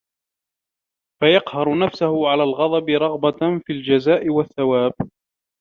فَيَقْهَرُ نَفْسَهُ عَلَى الْغَضَبِ رَغْبَةً فِي الْجَزَاءِ وَالثَّوَابِ